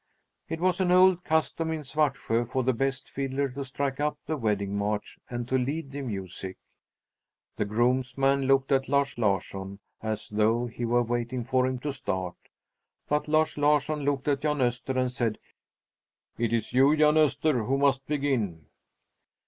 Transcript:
It was an old custom in Svartsjö for the best fiddler to strike up the Wedding March and to lead the music. The groomsman looked at Lars Larsson, as though he were waiting for him to start; but Lars Larsson looked at Jan Öster and said, "It is you, Jan Öster, who must begin."